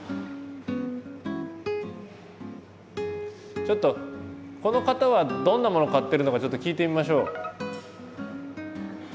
ちょっとこの方はどんなものを買ってるのかちょっと聞いてみましょう。